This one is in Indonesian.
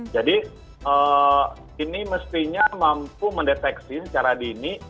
jadi ini mestinya mampu mendeteksi secara dini